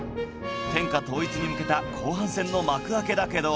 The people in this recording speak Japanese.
天下統一に向けた後半戦の幕開けだけど